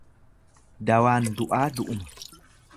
Dawaan du'aa du'uma.